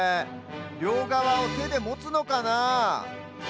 りょうがわをてでもつのかな。